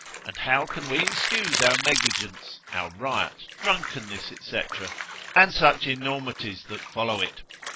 And how can we excuse our negligence, our riot, drunkenness, &c., and such enormities that follow it?